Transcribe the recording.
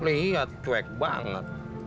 liat cuek banget